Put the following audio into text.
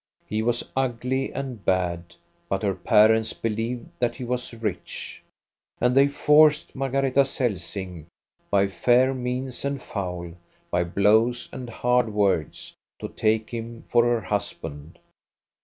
He was ugly and bad, but her parents believed that he was rich, and they forced Margareta Celsing, by fair means and foul, by blows and hard words, to take him for her hus band.